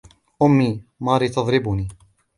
أُمي, ماري تضربني.